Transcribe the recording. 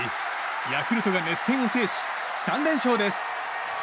ヤクルトが熱戦を制し３連勝です。